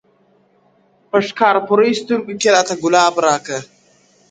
په ښکارپورۍ سترگو کي’ راته گلاب راکه’